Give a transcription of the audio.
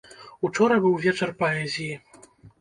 Учора быў вечар паэзіі.